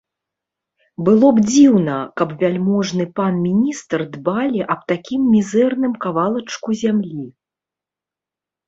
Было б дзіўна, каб вяльможны пан міністр дбалі аб такім мізэрным кавалачку зямлі.